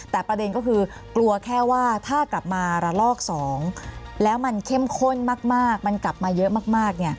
แต่ประเด็นก็คือกลัวแค่ว่าถ้ากลับมาระลอก๒แล้วมันเข้มข้นมากมันกลับมาเยอะมาก